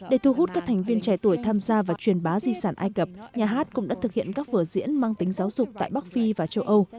để thu hút các thành viên trẻ tuổi tham gia và truyền bá di sản ai cập nhà hát cũng đã thực hiện các vở diễn mang tính giáo dục tại bắc phi và châu âu